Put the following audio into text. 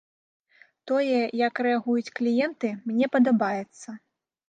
Тое, як рэагуюць кліенты, мне падабаецца.